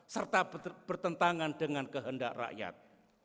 serta bertentangan dengan kehendak rakyat